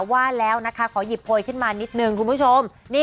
ว่าแล้วนะคะขอหยิบโพยขึ้นมานิดนึงคุณผู้ชม